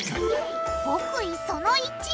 極意その１！